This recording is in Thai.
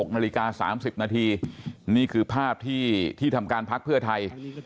๖นาฬิกา๓๐นาทีนี่คือภาพที่ทำการพักเพื่อไทย